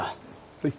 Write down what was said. はい。